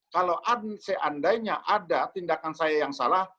kalau seandainya ada tindakan saya yang salah